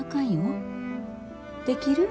できる？